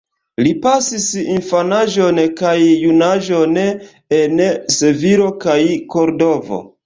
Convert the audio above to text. Li pasis infanaĝon kaj junaĝon en Sevilo kaj Kordovo.